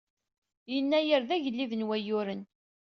Yennayer d agellid n wayyuren.